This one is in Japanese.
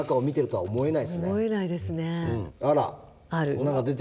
はい。